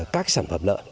các sản phẩm lợn